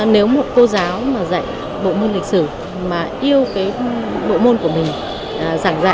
nếu một cô giáo mà dạy bộ môn lịch sử mà yêu cái bộ môn của mình giảng dạy